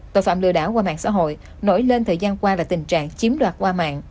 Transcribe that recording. tội phạm lừa đảo qua mạng xã hội nổi lên thời gian qua là tình trạng chiếm đoạt qua mạng